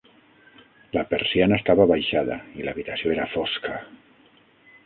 La persiana estava abaixada i l'habitació era fosca.